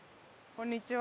こんにちは。